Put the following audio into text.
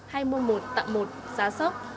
hay mua một tặng một giá sót